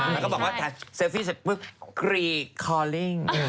แล้วก็บอกว่าถ่ายเซลฟี่เสร็จปุ๊บกรีคอลลิ่ง